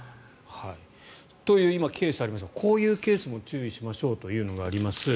という今ケースがありましたがこういうケースも注意しましょうというのがあります。